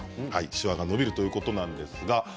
しわが伸びるということです。